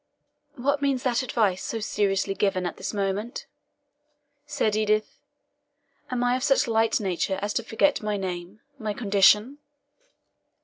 "What means that advice, so seriously given at this moment?" said Edith. "Am I of such light nature as to forget my name my condition?"